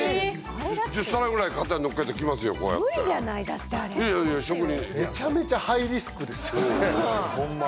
１０皿ぐらい肩にのっけて来ますよ無理じゃないだってあれいやいや職人めちゃめちゃハイリスクですよねホンマ